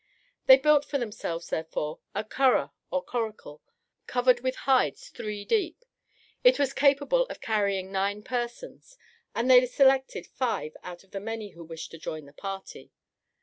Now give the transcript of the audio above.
They built for themselves therefore a curragh or coracle, covered with hides three deep. It was capable of carrying nine persons, and they selected five out of the many who wished to join the party.